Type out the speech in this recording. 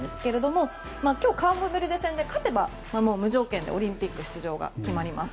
今日、カーボベルデ戦で勝てば無条件でオリンピック出場が決まります。